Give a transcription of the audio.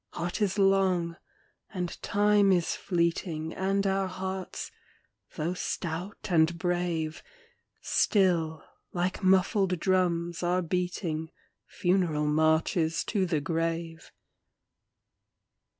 Art is long, and Time is fleeting, And our hearts, though stout and brave, Still, like muffled drums, are beating Funeral marches to the grave.